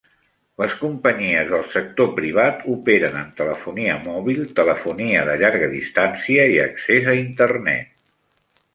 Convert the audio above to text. Les companyies del sector privat operen en telefonia mòbil, telefonia de llarga distància i accés a Internet.